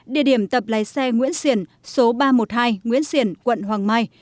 địa điểm tập lái xe nguyễn xiển số ba trăm một mươi hai nguyễn xiển quận hoàng mai